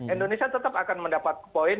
indonesia tetap akan mendapat poin